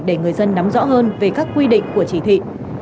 để người dân nắm rõ hơn về các quy định của chỉ thị